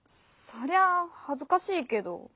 そりゃあはずかしいけど。